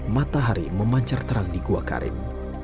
matahari memancar terang di gua karim